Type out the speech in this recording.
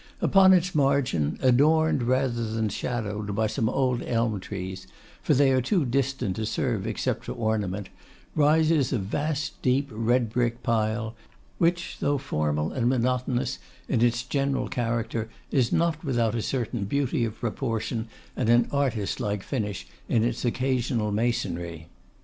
Upon its margin, adorned, rather than shadowed, by some old elm trees, for they are too distant to serve except for ornament, rises a vast deep red brick pile, which though formal and monotonous in its general character, is not without a certain beauty of proportion and an artist like finish in its occasional masonry.